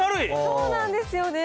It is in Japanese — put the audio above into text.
そうなんですよね。